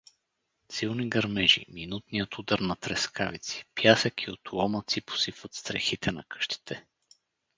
Силни гърмежи, минутният удар на трескавици, пясък и отломъци посипват стрехите на къщите.